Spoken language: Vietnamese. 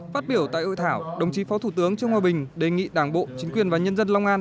phát biểu tại hội thảo đồng chí phó thủ tướng trương hòa bình đề nghị đảng bộ chính quyền và nhân dân long an